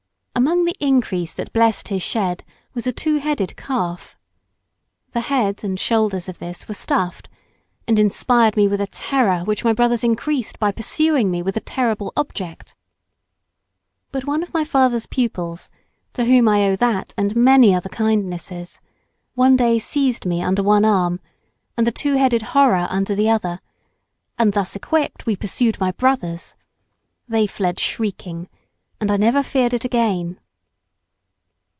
Among the increase that blessed his shed was a two headed calf. The head and shoulders of this were stuffed, and inspired me with a terror which my brothers increased by pursuing me with the terrible object. But one of my father's pupils to whom I owe that and many other kindnesses, one day seized me under one arm and the two headed horror under the other, and thus equipped we pursued my brothers. They fled shrieking, and I never feared it again.